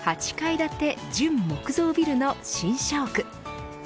建て純木造ビルの新社屋。